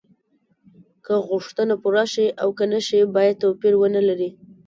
که غوښتنه پوره شي او که نشي باید توپیر ونلري.